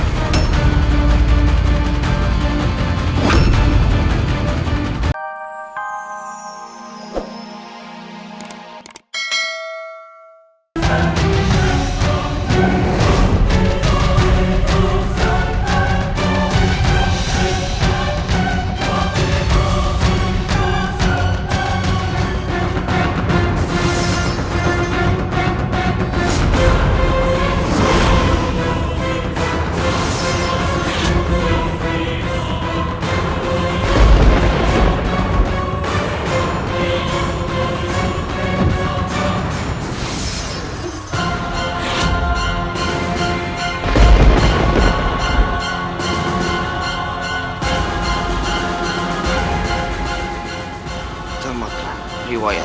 sampai jumpa di video selanjutnya